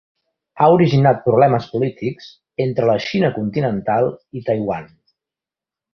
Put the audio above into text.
Ha originat problemes polítics entre la Xina continental i Taiwan.